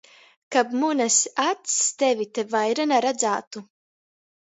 Kab munys acs tevi te vaira naradzātu!